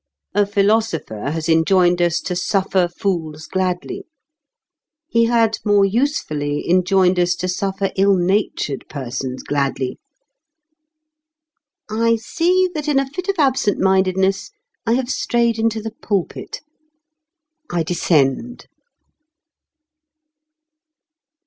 A philosopher has enjoined us to suffer fools gladly. He had more usefully enjoined us to suffer ill natured persons gladly.... I see that in a fit of absentmindedness I have strayed into the pulpit. I descend.